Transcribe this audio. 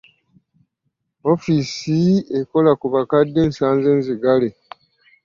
Woofiisi ekola ku bakadde nsanze nzigale.